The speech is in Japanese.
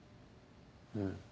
うん。